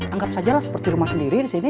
anggap sajalah seperti rumah sendiri disini